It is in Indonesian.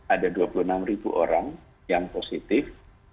ada dua puluh enam ribu orang yang positif